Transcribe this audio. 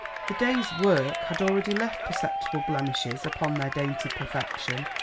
The day's work had already left perceptible blemishes upon their dainty perfection.